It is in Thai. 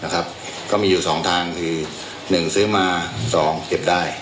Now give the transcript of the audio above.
ก็มีอยู่๒ทางคือ๑ซื้อมา๒เก็บได้